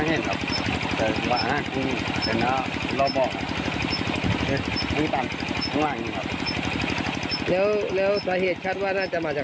จิตกรรมของที่ตามแม่หรอ